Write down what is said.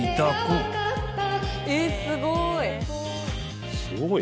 えっすごい。